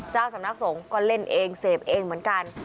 เจ้าสำนักสงฆ์ก็เล่นเองเสพเองเหมือนกัน